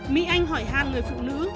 mỹ anh hỏi hàn người phụ nữ